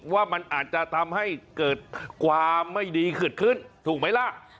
ว่ามันอาจจะทำให้เกิดความไม่ดีเกิดขึ้นถูกไหมล่ะ